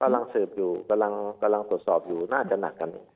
สืบอยู่กำลังตรวจสอบอยู่น่าจะหนักกัน